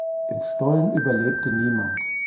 Im Stollen überlebte niemand.